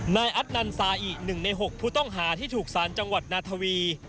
นายอัตนันซาอิ๑ใน๖ผู้ต้องหาที่ถูกสารจังหวัดนาทวี